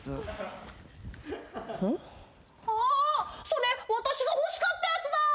それ私が欲しかったやつだ！